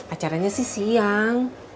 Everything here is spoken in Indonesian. acaranya sih siang